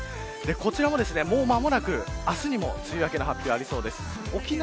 こちらも、もう間もなく明日にも梅雨明けの発表がありそうです。